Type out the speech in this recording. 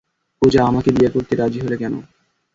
পূজা, আমাকে বিয়ে করতে, রাজি হলে কেন?